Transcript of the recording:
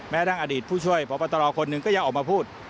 ทั้งอดีตผู้ช่วยพบตรคนหนึ่งก็ยังออกมาพูด